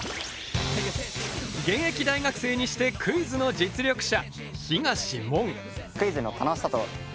現役大学生にしてクイズの実力者